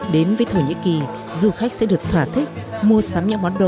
đến với thổ nhĩ kỳ du khách sẽ được thỏa thích mua sắm những món đồ có đường nét tinh xào